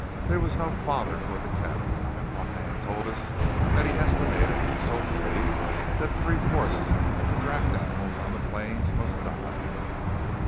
There was no fodder for the cattle, and one man told us that he estimated, soberly, that three fourths of the draught animals on the plains must die.